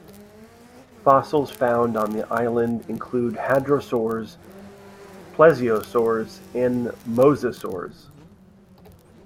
Fossils found on the island include hadrosaurs, plesiosaurs, and mosasaurs.